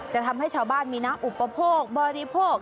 จะทำให้ชาวบ้านมีน้ำอุปโภคบริโภค